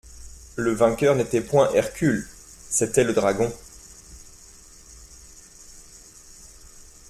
Le vainqueur n'était point Hercule, c'était le Dragon.